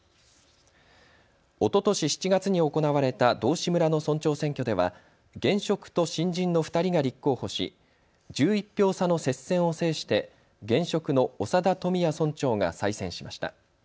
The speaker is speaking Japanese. おととし７月に行われた道志村の村長選挙では現職と新人の２人が立候補し、１１票差の接戦を制して現職の長田富也村長が再選しました。